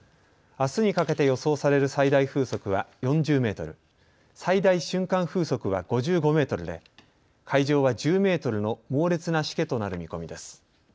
あすにかけて予想される最大風速は４０メートル、最大瞬間風速は５５メートルで海上は１０メートルの猛烈なしけとなる見込みです。